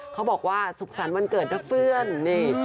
เขาบอกว่าสุขศรรย์วันเกิดเตอร์ฟื้นนี่